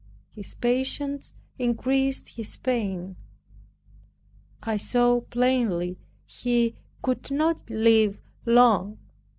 His patience increased his pain. I saw plainly he could not live long.